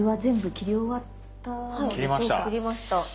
切りました。